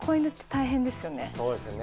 そうですよね。